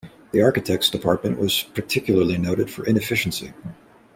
The Architects department was particularly noted for inefficiency.